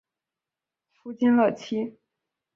夫金乐琦。